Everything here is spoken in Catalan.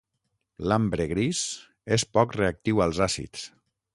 L'ambre gris és poc reactiu als àcids.